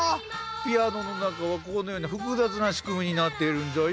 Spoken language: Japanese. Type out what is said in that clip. ピアノの中はこのような複雑な仕組みになっているんじゃよ。